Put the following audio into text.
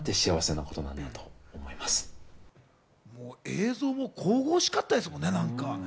映像も神々しかったですよね、なんかね。